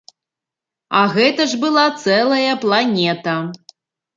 А гэта ж была цэлая планета.